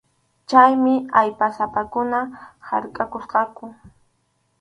Chaymi allpasapakuna harkʼakusqaku.